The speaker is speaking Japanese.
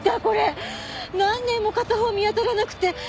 これ何年も片方見当たらなくて。